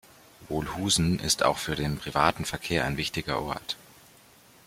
Wolhusen ist auch für den privaten Verkehr ein wichtiger Ort.